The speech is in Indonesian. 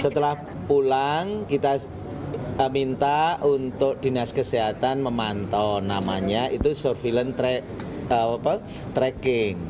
setelah pulang kita minta untuk dinas kesehatan memantau namanya itu surveillance tracking